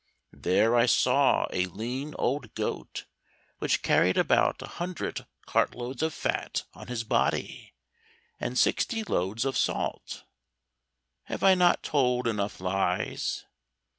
There I saw a lean old goat which carried about a hundred cart loads of fat on his body, and sixty loads of salt. Have I not told enough lies?